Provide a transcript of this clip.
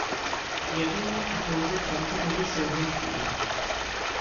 Jedině a pouze v tomto bodě souhlasím.